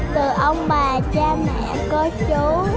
từ ông bà cha mẹ cô chú